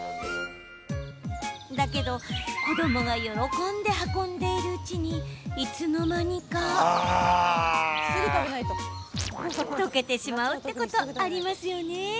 だけど子どもが喜んで運んでいるうちにいつの間にか。溶けてしまうことってありますよね。